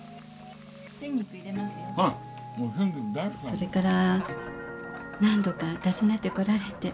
それから何度か訪ねてこられて。